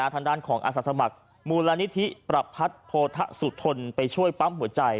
ทางด้านของอาศัตรย์สมัครบูรณิฐิประพัดโพธว์ถสุธรภ์ไปช่วยปั้มหัวใจ